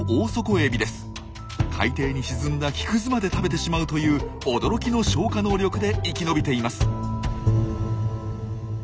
海底に沈んだ木くずまで食べてしまうという驚きの消化能力で生き延びています。